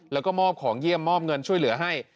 แล้วก็มอบของเยี่ยมมอบเงินช่วยเหลือให้